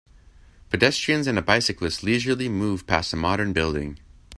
Pedestrians and a bicyclist leisurely move past a modern building.